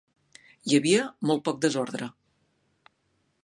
Hi havia molt poc desordre.